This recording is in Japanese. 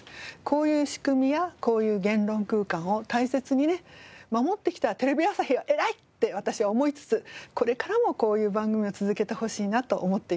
こういう仕組みやこういう言論空間を大切に守ってきたテレビ朝日は偉いって私は思いつつこれからもこういう番組を続けてほしいなと思っています。